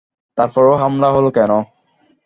তারপরও হামলা হলো কেন?